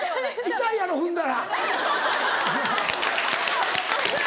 痛いやろ踏んだら。